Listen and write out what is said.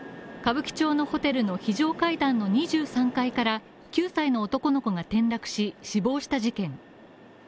歌舞伎町のホテルの非常階段の２３階から９歳の男の子が転落し死亡した事件。